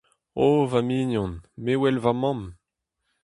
O, va mignon, me wel va mamm !